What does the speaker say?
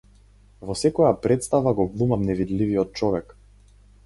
Во секоја претстава го глумам невидливиот човек!